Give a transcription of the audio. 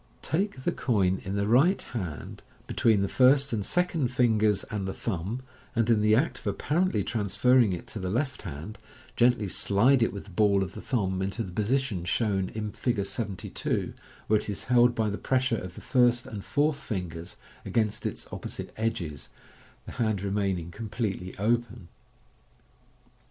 Take the coin in the right hand between the first and second fingers and the thumb, and in the act of apparently transferring it to the left hand, gently slide it with the ball of the thumb into the position shown in MODERN MAGIC. 153 Fig. 72. Fig. 72, where it is held by the pressure of the first and fourth fingers against its opposite edges, the band remaining completely open.